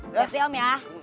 berhenti om ya